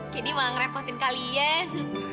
candy malah ngerepotin kalian